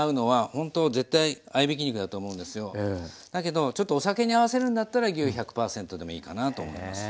だけどちょっとお酒に合わせるんだったら牛１００％でもいいかなと思います。